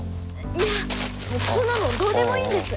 いやもうこんなのどうでもいいんです。